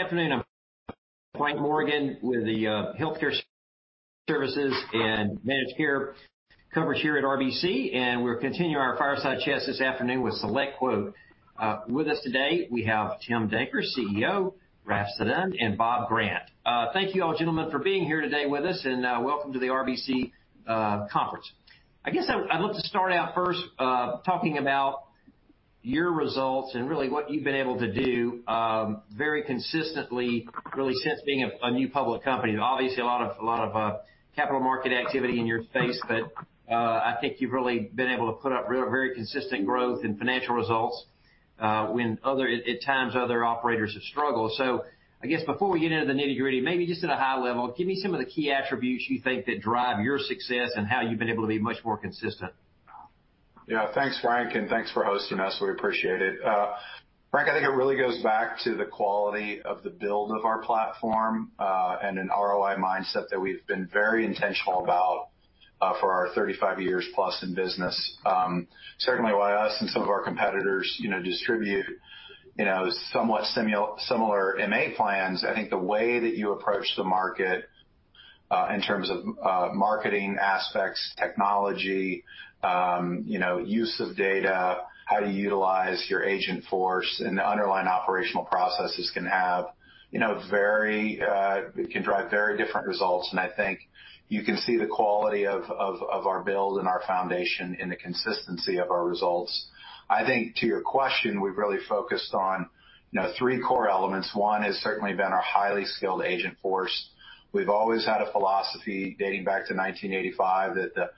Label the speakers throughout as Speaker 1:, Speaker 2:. Speaker 1: Good afternoon? I'm Frank Morgan with the Healthcare Services and Managed Care coverage here at RBC, and we're continuing our fireside chats this afternoon with SelectQuote. With us today, we have Tim Danker, Chief Executive Officer, Raff Sadun, and Bob Grant. Thank you all, gentlemen, for being here today with us, and welcome to the RBC Conference. I guess I'd love to start out first talking about your results and really what you've been able to do very consistently, really since being a new public company. Obviously, a lot of capital market activity in your space, I think you've really been able to put up very consistent growth and financial results at times other operators have struggled. I guess before we get into the nitty-gritty, maybe just at a high level, give me some of the key attributes you think that drive your success and how you've been able to be much more consistent.
Speaker 2: Thanks, Frank, and thanks for hosting us. We appreciate it. Frank, I think it really goes back to the quality of the build of our platform and an ROI mindset that we've been very intentional about for our 35 years plus in business. Certainly while us and some of our competitors distribute somewhat similar MA plans, I think the way that you approach the market in terms of marketing aspects, technology, use of data, how to utilize your agent force and underlying operational processes can drive very different results, and I think you can see the quality of our build and our foundation in the consistency of our results. I think to your question, we've really focused on three core elements. One has certainly been our highly skilled agent force. We've always had a philosophy dating back to 1985 that the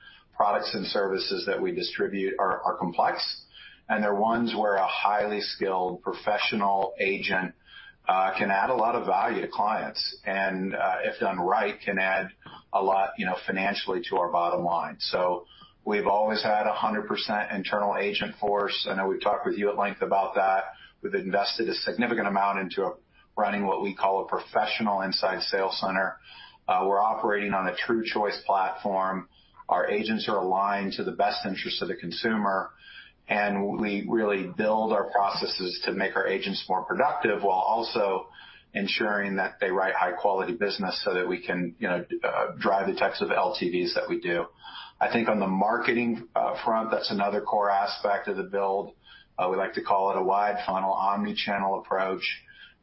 Speaker 2: products and services that we distribute are complex, and they're ones where a highly skilled professional agent can add a lot of value to clients and if done right, can add a lot financially to our bottom line. We've always had 100% internal agent force. I know we talked with you at length about that. We've invested a significant amount into running what we call a professional inside sales center. We're operating on a true choice platform. Our agents are aligned to the best interest of the consumer, and we really build our processes to make our agents more productive while also ensuring that they write high-quality business so that we can drive the types of LTVs that we do. I think on the marketing front, that's another core aspect of the build. We like to call it a wide funnel, omni-channel approach.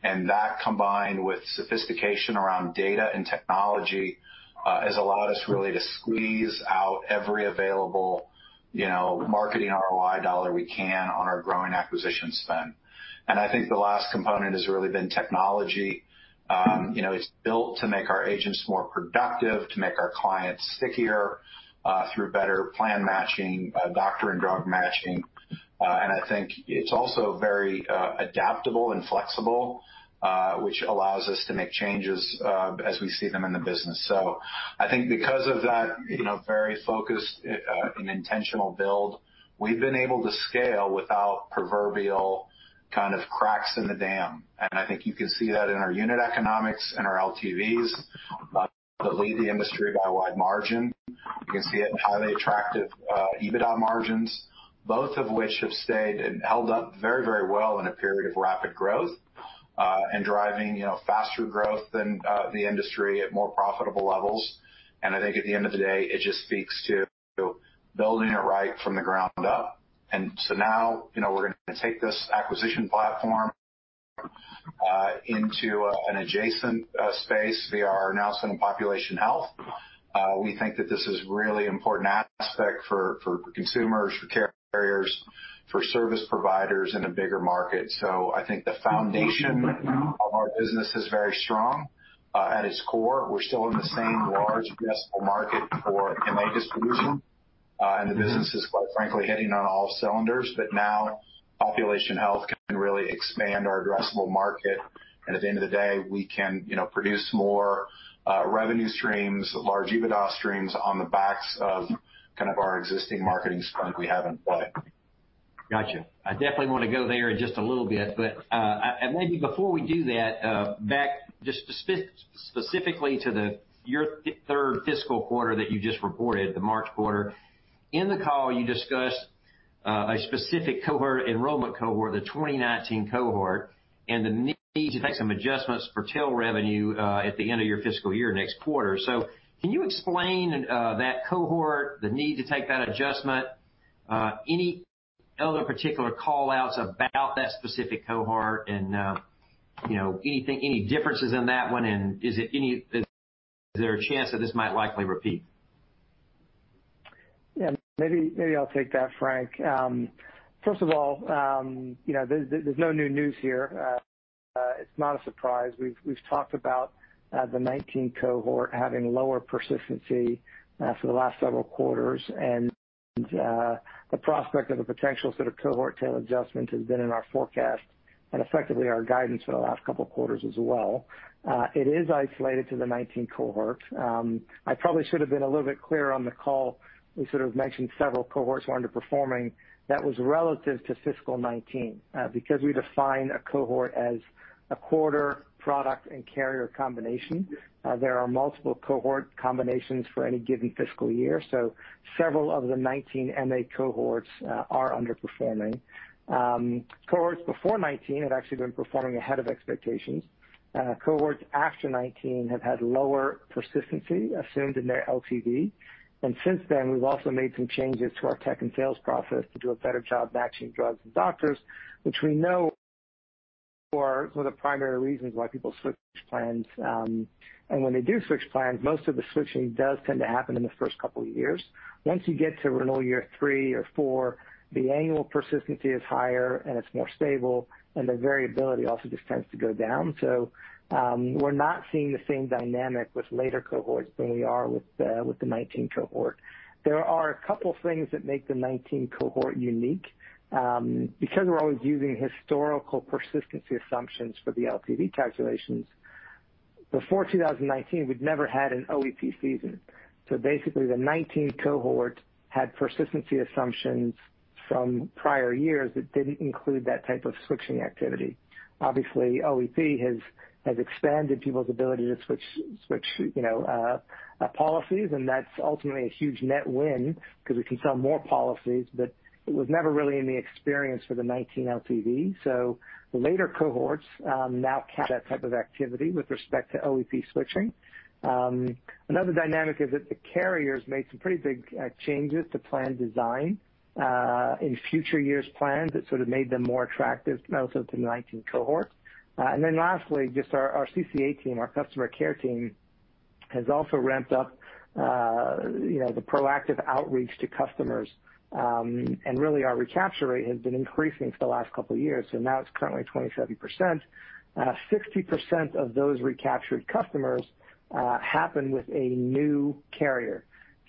Speaker 2: That combined with sophistication around data and technology has allowed us really to squeeze out every available marketing ROI dollar we can on our growing acquisition spend. I think the last component has really been technology. It's built to make our agents more productive, to make our clients stickier through better plan matching, doctor and drug matching. I think it's also very adaptable and flexible which allows us to make changes as we see them in the business. I think because of that very focused and intentional build, we've been able to scale without proverbial kind of cracks in the dam, and I think you can see that in our unit economics and our LTVs that lead the industry by a wide margin. You can see it in highly attractive EBITDA margins, both of which have held up very well in a period of rapid growth and driving faster growth than the industry at more profitable levels. I think at the end of the day, it just speaks to building it right from the ground up. Now, we're going to take this acquisition platform into an adjacent space via our announcement in population health. We think that this is a really important aspect for consumers, for carriers, for service providers in a bigger market. I think the foundation of our business is very strong at its core. We're still in the same large addressable market for MA distribution and the business is quite frankly, hitting on all cylinders. Now population health can really expand our addressable market, and at the end of the day, we can produce more revenue streams, large EBITDA streams on the backs of kind of our existing marketing strength we have in play.
Speaker 1: Got you. I definitely want to go there in just a little bit, but maybe before we do that, back just specifically to your third fiscal quarter that you just reported, the March quarter. In the call, you discussed a specific cohort enrollment cohort, the 2019 cohort, and the need to make some adjustments for tail revenue at the end of your fiscal year, next quarter. Can you explain that cohort, the need to take that adjustment, any other particular call-outs about that specific cohort and any differences in that one, and is there a chance that this might likely repeat?
Speaker 3: Yeah. Maybe I'll take that, Frank. First of all, there's no new news here. It's not a surprise. We've talked about the 2019 cohort having lower persistency for the last several quarters, and the prospect of a potential sort of cohort tail adjustment has been in our forecast and effectively our guidance for the last couple of quarters as well. It is isolated to the 2019 cohort. I probably should have been a little bit clearer on the call. We sort of mentioned several cohorts underperforming. That was relative to fiscal 2019 because we define a cohort as a quarter, product, and carrier combination. There are multiple cohort combinations for any given fiscal year. Several of the 2019 MA cohorts are underperforming cohorts before 2019 have actually been performing ahead of expectations. Cohorts after 2019 have had lower persistency assumed in their LTV, and since then, we've also made some changes to our tech and sales process to do a better job matching drugs and doctors, which we know are one of the primary reasons why people switch plans. When they do switch plans, most of the switching does tend to happen in the first couple of years. Once you get to renewal year three or four, the annual persistency is higher and it's more stable, and the variability also just tends to go down. We're not seeing the same dynamic with later cohorts than we are with the 2019 cohort. There are a couple things that make the 2019 cohort unique. We're always using historical persistency assumptions for the LTV calculations. Before 2019, we'd never had an OEP season. The 2019 cohort had persistency assumptions from prior years that didn't include that type of switching activity. Obviously, OEP has expanded people's ability to switch policies, and that's ultimately a huge net win because we can sell more policies. It was never really in the experience for the 2019 LTV. The later cohorts now catch that type of activity with respect to OEP switching. Another dynamic is that the carriers made some pretty big changes to plan design in future years' plans that made them more attractive also to the 2019 cohort. Lastly, just our CCA team, our customer care team, has also ramped up the proactive outreach to customers. Our recapture rate has been increasing for the last couple of years, and now it's currently 27%. 60% of those recaptured customers happen with a new carrier.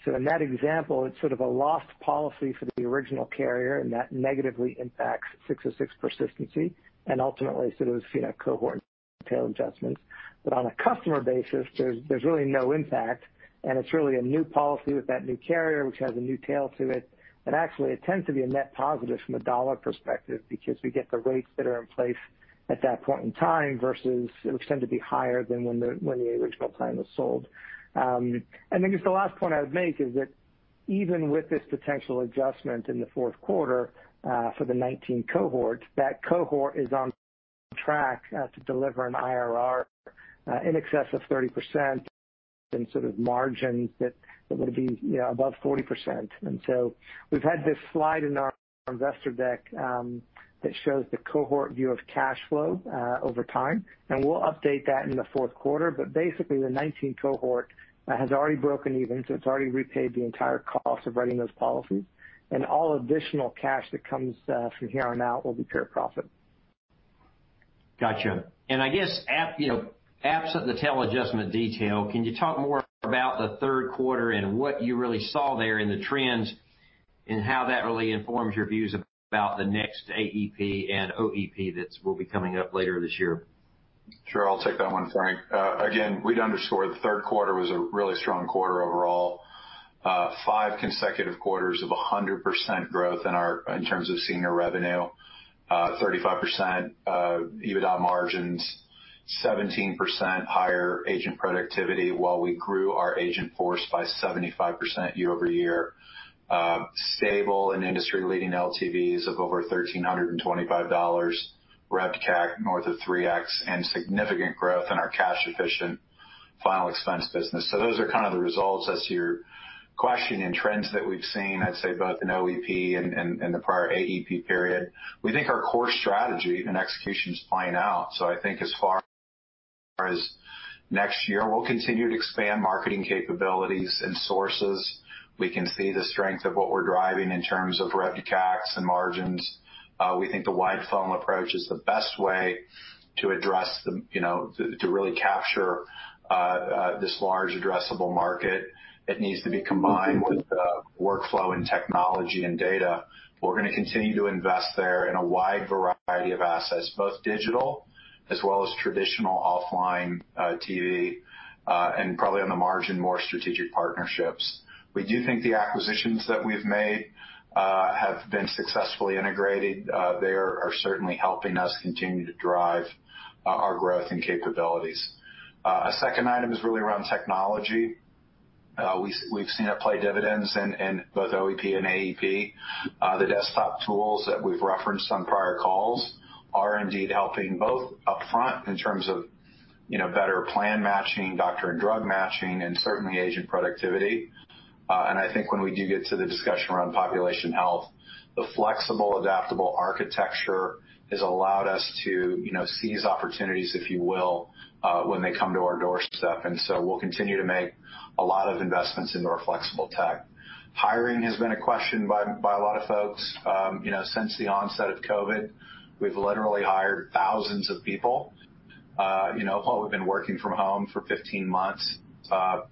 Speaker 3: In that example, it's sort of a lost policy for the original carrier, and that negatively impacts ASC 606 persistency and ultimately sort of cohort and tail adjustments. On a customer basis, there's really no impact, and it's really a new policy with that new carrier, which has a new tail to it that actually tends to be a net positive from a dollar perspective because we get the rates that are in place at that point in time versus which tend to be higher than when the original plan was sold. Then just the last point I'd make is that even with this potential adjustment in the fourth quarter for the 2019 cohort, that cohort is on track to deliver an IRR in excess of 30% and margin that would be above 40%. We've had this slide in our investor deck that shows the cohort view of cash flow over time, and we'll update that in the fourth quarter. Basically, the 2019 cohort has already broken even, so it's already repaid the entire cost of writing those policies, and all additional cash that comes from here on out will be pure profit.
Speaker 1: Got you. I guess absent the tail adjustment detail, can you talk more about the third quarter and what you really saw there in the trends and how that really informs your views about the next AEP and OEP that will be coming up later this year?
Speaker 2: Sure. I'll take that one, Frank. Again, we'd underscore the third quarter was a really strong quarter overall. five consecutive quarters of 100% growth in terms of senior revenue, 35% EBITDA margins, 17% higher agent productivity while we grew our agent force by 75% year-over-year. Stable and industry-leading LTVs of over $1,325, RevCAC north of 3x, and significant growth in our cash-efficient final expense business. Those are kind of the results as to your question in trends that we've seen, I'd say both in OEP and the prior AEP period. We think our core strategy and execution is playing out. I think as far as next year, we'll continue to expand marketing capabilities and sources. We can see the strength of what we're driving in terms of RevCACs and margins. We think the wide funnel approach is the best way to really capture this large addressable market. It needs to be combined with workflow and technology and data. We're going to continue to invest there in a wide variety of assets, both digital as well as traditional offline TV, and probably on the margin, more strategic partnerships. We do think the acquisitions that we've made have been successfully integrated. They are certainly helping us continue to drive our growth and capabilities. Second item is really around technology. We've seen it play dividends in both OEP and AEP. The desktop tools that we've referenced on prior calls are indeed helping both upfront in terms of better plan matching, doctor and drug matching, and certainly agent productivity. I think when we do get to the discussion around population health, the flexible, adaptable architecture has allowed us to seize opportunities, if you will, when they come to our doorstep. We'll continue to make a lot of investments into our flexible tech. Hiring has been a question by a lot of folks. Since the onset of COVID, we've literally hired thousands of people. People have been working from home for 15 months. The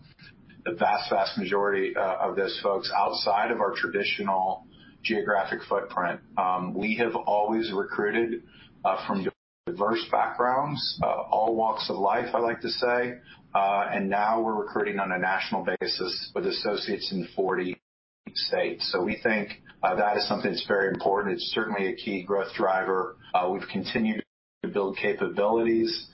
Speaker 2: vast majority of those folks outside of our traditional geographic footprint. We have always recruited from diverse backgrounds, all walks of life, I like to say. Now we're recruiting on a national basis with associates in 40 states. We think that is something that's very important. It's certainly a key growth driver. We've continued to build capabilities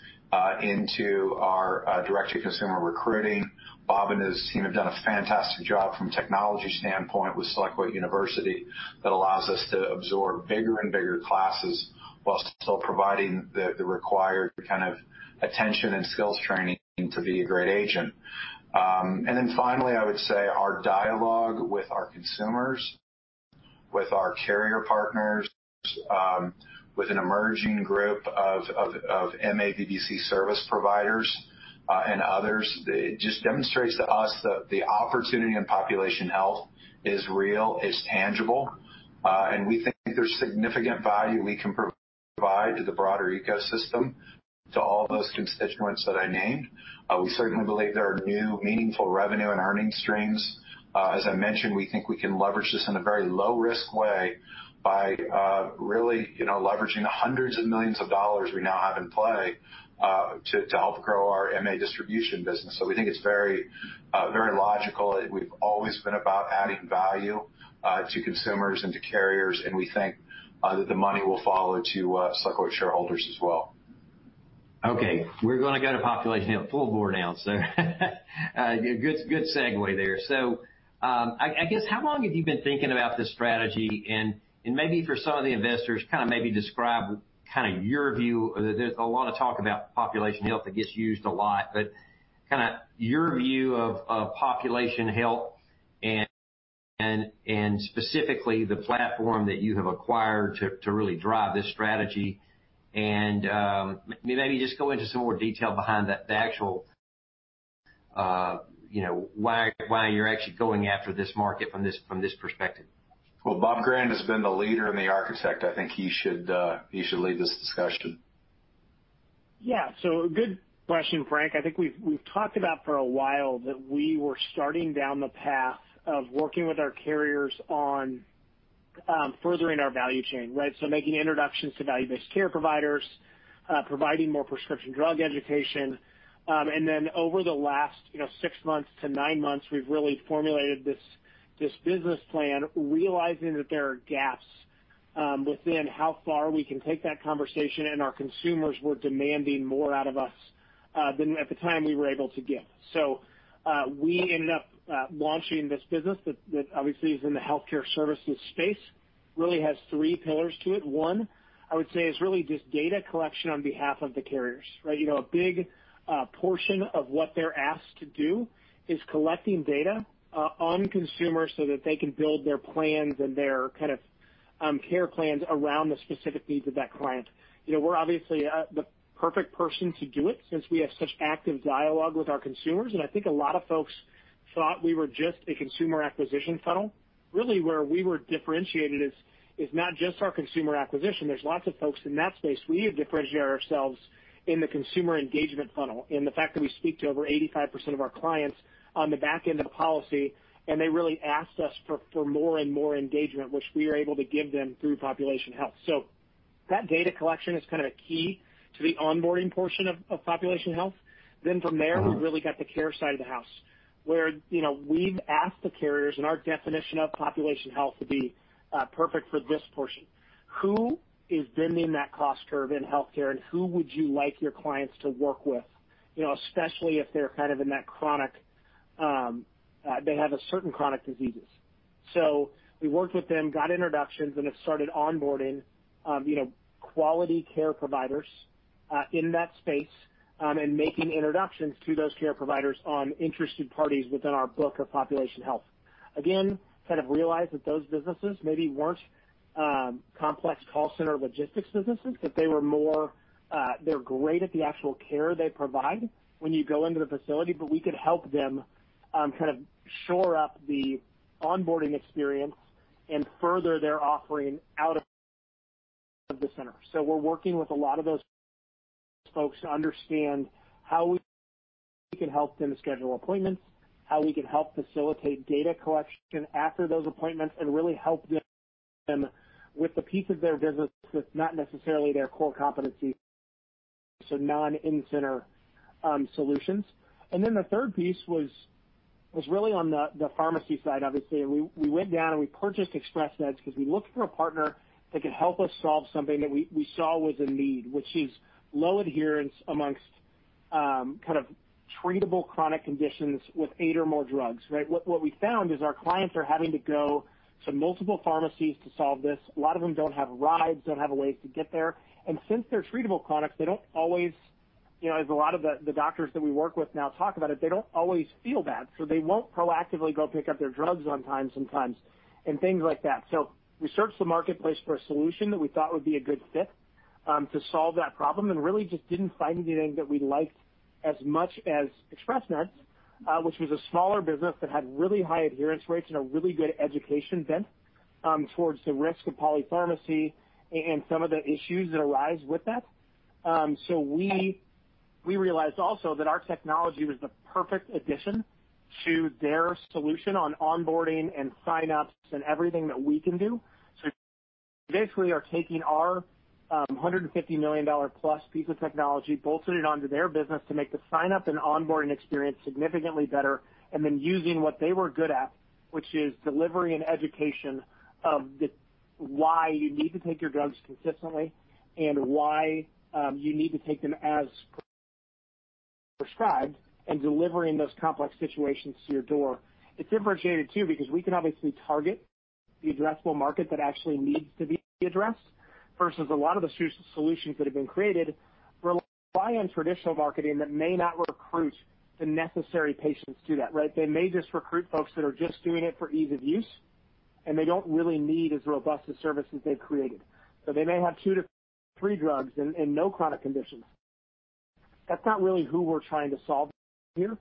Speaker 2: into our direct-to-consumer recruiting. Bob and his team have done a fantastic job from technology standpoint with SelectQuote University that allows us to absorb bigger and bigger classes while still providing the required kind of attention and skills training to be a great agent. Finally, I would say our dialogue with our consumers, with our carrier partners, with an emerging group of MA VBC service providers and others, it just demonstrates to us that the opportunity in population health is real, is tangible, and we think there's significant value we can provide to the broader ecosystem to all those constituents that I named. We certainly believe there are new meaningful revenue and earning streams. As I mentioned, we think we can leverage this in a very low-risk way by really leveraging the hundreds of millions of dollars we now have in play to help grow our MA distribution business. We think it's very logical. We've always been about adding value to consumers and to carriers, and we think that the money will follow to SelectQuote shareholders as well.
Speaker 1: Okay. We're going to go to population health full board now, so good segue there. I guess, how long have you been thinking about this strategy? Maybe for some of the investors, kind of maybe describe your view. There's a lot of talk about population health. It gets used a lot, but kind of your view of population health and specifically the platform that you have acquired to really drive this strategy and maybe just go into some more detail behind the actual why you're actually going after this market from this perspective.
Speaker 2: Well, Bob Grant has been the leader and the architect. I think he should lead this discussion.
Speaker 4: Good question, Frank. I think we've talked about for a while that we were starting down the path of working with our carriers on furthering our value chain, right? Making introductions to value-based care providers, providing more prescription drug education. Over the last six months to nine months, we've really formulated this business plan, realizing that there are gaps within how far we can take that conversation, and our consumers were demanding more out of us than at the time we were able to give. We ended up launching this business that obviously is in the healthcare services space. Really has three pillars to it. One, I would say, is really just data collection on behalf of the carriers, right? A big portion of what they're asked to do is collecting data on consumers so that they can build their plans and their kind of care plans around the specific needs of that client. We're obviously the perfect person to do it since we have such active dialogue with our consumers, and I think a lot of folks thought we were just a consumer acquisition funnel. Really where we were differentiated is not just our consumer acquisition. There's lots of folks in that space. We differentiate ourselves in the consumer engagement funnel and the fact that we speak to over 85% of our clients on the back end of a policy, and they really ask us for more and more engagement, which we are able to give them through population health. That data collection is kind of a key to the onboarding portion of population health. From there, we've really got the care side of the house, where we've asked the carriers and our definition of population health to be perfect for this portion. Who is bending that cost curve in healthcare, and who would you like your clients to work with, especially if they're kind of in that chronic, they have certain chronic diseases? We worked with them, got introductions, and have started onboarding quality care providers in that space, and making introductions to those care providers on interested parties within our book of population health. Again, kind of realized that those businesses maybe weren't complex call center logistics businesses, that they were more, they're great at the actual care they provide when you go into the facility, but we could help them kind of shore up the onboarding experience and further their offering out of the center. We're working with a lot of those folks to understand how we can help them schedule appointments, how we can help facilitate data collection after those appointments, and really help them with the piece of their business that's not necessarily their core competency, so non-in-center solutions. The third piece was really on the pharmacy side, obviously. We went down, and we purchased Express Meds because we looked for a partner that could help us solve something that we saw was a need, which is low adherence amongst kind of treatable chronic conditions with eight or more drugs, right? What we found is our clients are having to go to multiple pharmacies to solve this. A lot of them don't have rides, don't have a way to get there. Since they're treatable chronics, they don't always, as a lot of the doctors that we work with now talk about it, they don't always feel bad, so they won't proactively go pick up their drugs on time sometimes and things like that. We searched the marketplace for a solution that we thought would be a good fit to solve that problem, and really just didn't find anything that we liked as much as Express Meds, which was a smaller business that had really high adherence rates and a really good education bent towards the risks of polypharmacy and some of the issues that arise with that. We realized also that our technology was the perfect addition to their solution on onboarding and sign-ups and everything that we can do. We basically are taking our $150 million-plus piece of technology, bolted it onto their business to make the sign-up and onboarding experience significantly better, and then using what they were good at, which is delivery and education of why you need to take your drugs consistently and why you need to take them as prescribed and delivering those complex situations to your door. It's differentiated too, because we can obviously target the addressable market that actually needs to be addressed, versus a lot of the solutions that have been created rely on traditional marketing that may not recruit the necessary patients to that. They may just recruit folks that are just doing it for ease of use, and they don't really need as robust a service as they've created. They may have two to three drugs and no chronic conditions. That's not really who we're trying to solve here.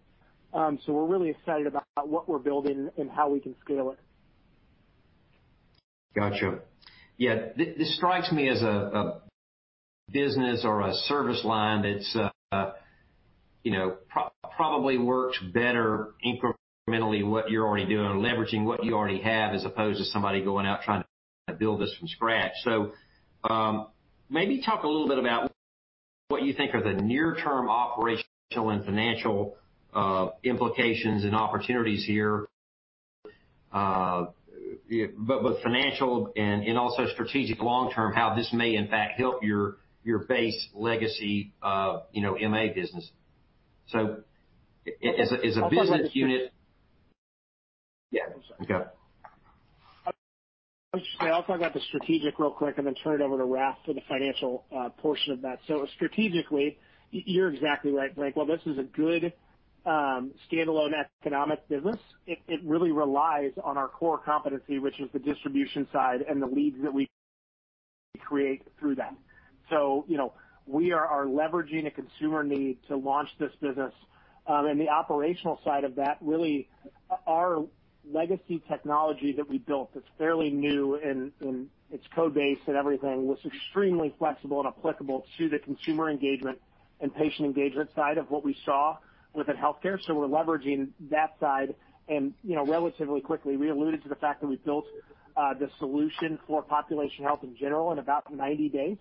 Speaker 4: We're really excited about what we're building and how we can scale it.
Speaker 1: Got you. Yeah. This strikes me as a business or a service line that probably works better incrementally, what you're already doing or leveraging what you already have as opposed to somebody going out trying to build this from scratch. Maybe talk a little bit about what you think are the near-term operational and financial implications and opportunities here. With financial and also strategic long-term, how this may in fact help your base legacy MA business. As a business unit-
Speaker 4: I'll talk about.
Speaker 1: Yeah, I'm sorry. Go ahead.
Speaker 4: I'll talk about the strategic real quick and then turn it over to Raff for the financial portion of that. Strategically, you're exactly right, Frank. While this is a good standalone economic business, it really relies on our core competency, which is the distribution side and the leads that we create through that. We are leveraging a consumer need to launch this business. The operational side of that, really, our legacy technology that we built that's fairly new in its code base and everything, was extremely flexible and applicable to the consumer engagement and patient engagement side of what we saw within healthcare. We're leveraging that side and, relatively quickly. We alluded to the fact that we built the solution for population health in general in about 90 days.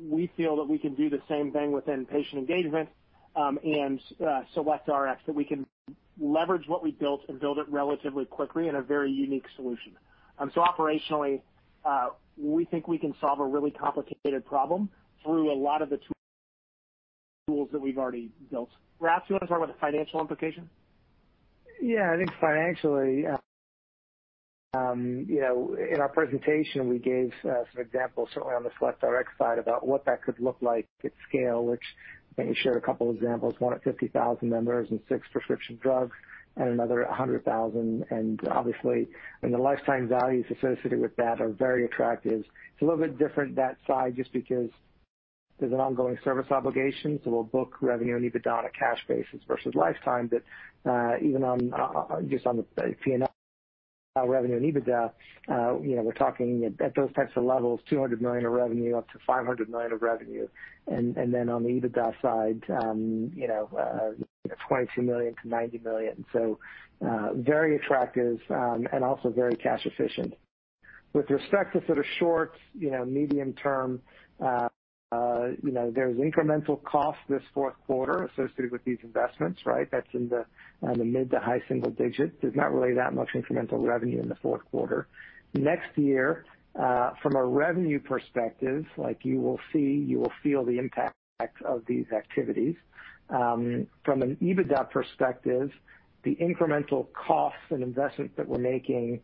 Speaker 4: We feel that we can do the same thing within patient engagement, and SelectRx, that we can leverage what we built and build it relatively quickly in a very unique solution. Operationally, we think we can solve a really complicated problem through a lot of the tools that we've already built. Raff, do you want to talk about the financial implication?
Speaker 3: I think financially, in our presentation, we gave some examples, certainly on the SelectRx side, about what that could look like at scale, which you shared a couple examples, one at 50,000 members and six prescription drugs and another 100,000, obviously, the lifetime values associated with that are very attractive. It's a little bit different that side just because there's an ongoing service obligation, so we'll book revenue and EBITDA on a cash basis versus lifetime. Even just on the P&L revenue and EBITDA, we're talking at those types of levels, $200 million of revenue up to $500 million of revenue. Then on the EBITDA side, $22 million to $90 million. Very attractive, and also very cash efficient. With respect to sort of short, medium term, there's incremental cost this fourth quarter associated with these investments. That's in the mid to high single digits. There's not really that much incremental revenue in the fourth quarter. Next year, from a revenue perspective, like you will see, you will feel the impact of these activities. From an EBITDA perspective, the incremental costs and investments that we're making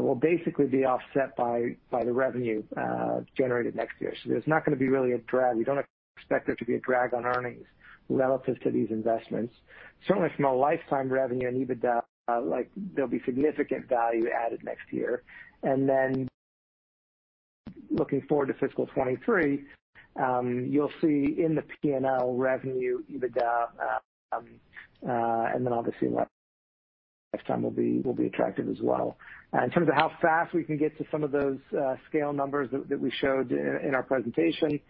Speaker 3: will basically be offset by the revenue generated next year. There's not going to be really a drag. We don't expect there to be a drag on earnings relative to these investments. Certainly from a lifetime revenue and EBITDA, there'll be significant value added next year. Looking forward to fiscal 2023, you'll see in the P&L revenue, EBITDA, and then obviously lifetime will be attractive as well. In terms of how fast we can get to some of those scale numbers that we showed in our presentation,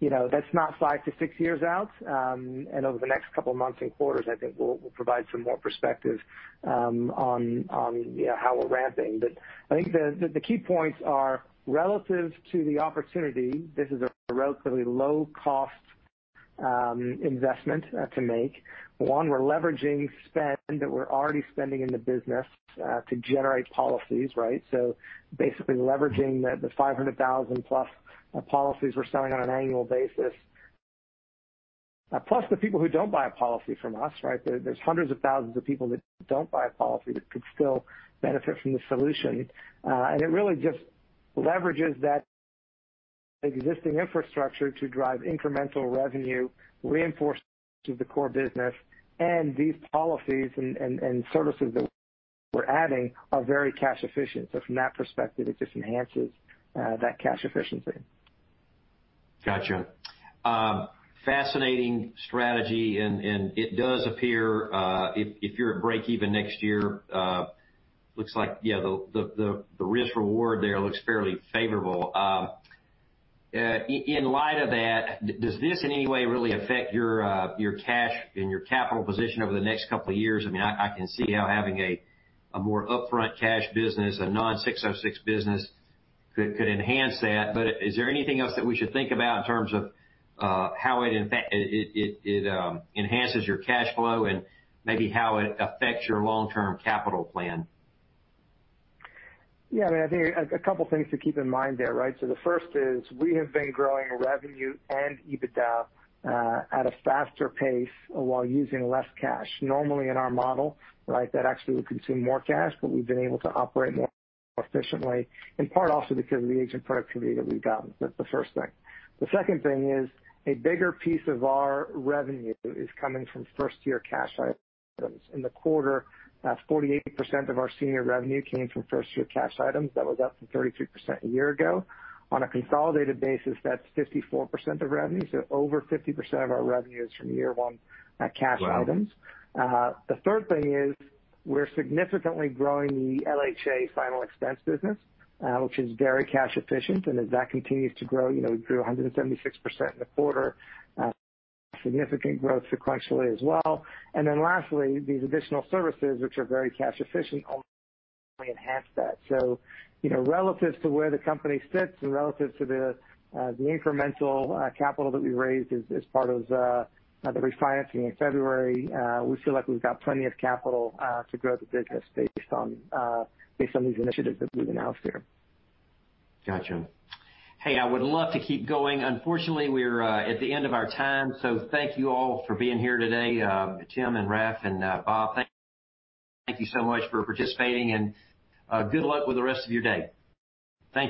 Speaker 3: that's not five to six years out. Over the next couple of months and quarters, I think we'll provide some more perspective on how we're ramping. I think the key points are relative to the opportunity, this is a relatively low-cost investment to make. One, we're leveraging spend that we're already spending in the business, to generate policies. Basically leveraging the 500,000 plus policies we're selling on an annual basis. Plus the people who don't buy a policy from us. There's hundreds of thousands of people that don't buy a policy that could still benefit from the solution. It really just leverages that existing infrastructure to drive incremental revenue reinforced through the core business. These policies and services that we're adding are very cash efficient. From that perspective, it just enhances that cash efficiency.
Speaker 1: Got you. Fascinating strategy. It does appear, if you're at breakeven next year, looks like, yeah, the risk reward there looks fairly favorable. In light of that, does this in any way really affect your cash and your capital position over the next couple of years? I can see how having a more upfront cash business, a non-606 business could enhance that. Is there anything else that we should think about in terms of how it enhances your cash flow and maybe how it affects your long-term capital plan?
Speaker 3: Yeah. I think a couple things to keep in mind there. The first is we have been growing revenue and EBITDA at a faster pace while using less cash. Normally in our model that actually would consume more cash, but we've been able to operate more efficiently, in part also because of the agent productivity that we've gotten. That's the first thing. The second thing is a bigger piece of our revenue is coming from first-year cash items. In the quarter, 48% of our senior revenue came from first-year cash items. That was up from 33% a year ago. On a consolidated basis, that's 54% of revenue. Over 50% of our revenue is from year one cash items.
Speaker 1: Wow.
Speaker 3: The third thing is we're significantly growing the LHA final expense business, which is very cash efficient. As that continues to grow, it grew 176% in the quarter, significant growth sequentially as well. Lastly, these additional services, which are very cash efficient, only enhance that. Relative to where the company sits and relative to the incremental capital that we raised as part of the refinancing in February, we feel like we've got plenty of capital to grow the business based on these initiatives that we've announced here.
Speaker 1: Got you. Hey, I would love to keep going. Unfortunately, we're at the end of our time. Thank you all for being here today. Tim and Raff and Bob, thank you so much for participating and good luck with the rest of your day.